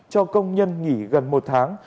cho công nhân nghỉ gần một tháng